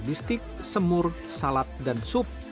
bistik semur salad dan sup